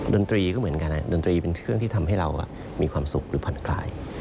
ดนตรีก็เหมือนกันดนตรีเป็นเครื่องที่ทำให้เรามีความสุขหรือผ่อนคลาย